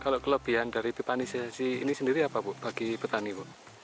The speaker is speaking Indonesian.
kalau kelebihan dari pipanisasi ini sendiri apa bu bagi petani bu